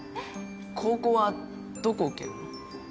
高校はどこ受けるの？